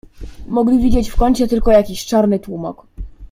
"Mogli widzieć w kącie tylko jakiś czarny tłumok."